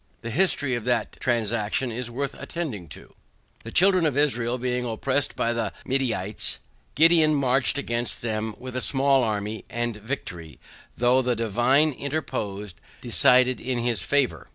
The history of that transaction is worth attending to. The children of Israel being oppressed by the Midianites, Gideon marched against them with a small army, and victory, thro' the divine interposition, decided in his favour.